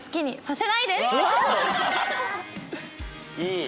いい！